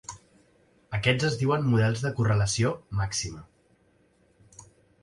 Aquests es diuen models de correlació màxima.